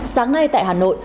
sáng nay tại hà nội